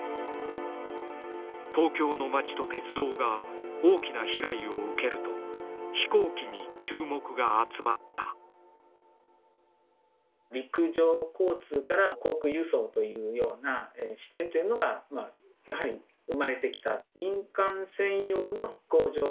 東京の町と鉄道が大きな被害を受けると飛行機に注目が集まった陸上交通から航空輸送というような視点というのがやはり生まれてきた。